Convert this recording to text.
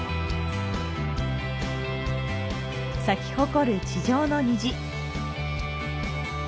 咲き誇る地上の虹。